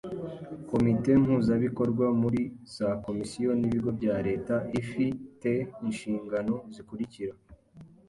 Komite mpuzabikorwa muri za komisiyo n’ibigo bya Leta ifi te inshingano zikurikira: